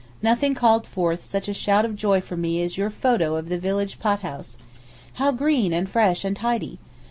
Nothing called forth such a shout of joy from me as your photo of the village pothouse. How green and fresh and tidy!